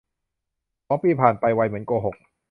สองปีผ่านไป ไวเหมือนโกหก